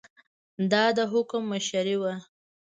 دا د حکم مشري وه.